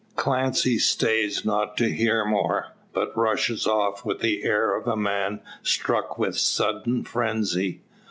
Clancy stays not to hear more, but rushes off with the air of a man struck with sudden phrenzy!